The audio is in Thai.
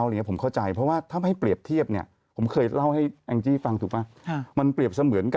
อะไรก็เดี๋ยวตรีเปยดเทียบเนี่ย